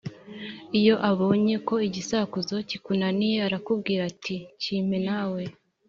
iyo abonye ko igisakuzo kikunaniye arakubwira ati “kimpe”. Nawe